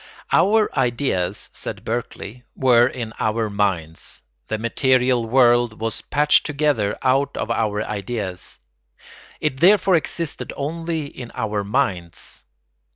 ] Our ideas, said Berkeley, were in our minds; the material world was patched together out of our ideas; it therefore existed only in our minds.